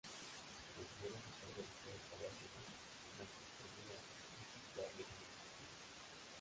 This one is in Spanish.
Los muros están realizados a base de mampostería, y sillares en las esquinas.